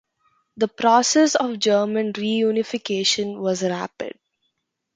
The process of German reunification was rapid.